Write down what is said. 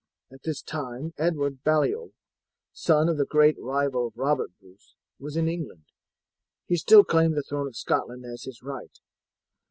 At this time Edward Baliol, son of the great rival of Robert Bruce, was in England. He still claimed the throne of Scotland as his right.